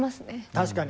確かに。